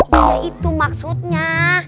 ya itu maksudnya